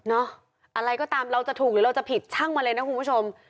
อะไรก็ตามเราจะถูกหรือเราจะผิดช่างมาเลยนะคุณผู้ชม